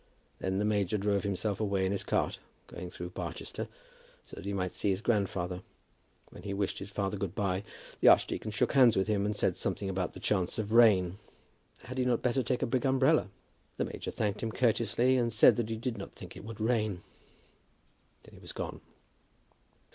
And then the major drove himself away in his cart, going through Barchester, so that he might see his grandfather. When he wished his father good by, the archdeacon shook hands with him, and said something about the chance of rain. Had he not better take the big umbrella? The major thanked him courteously, and said that he did not think it would rain. Then he was gone.